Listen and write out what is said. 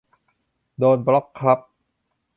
โดนบล็อคครับ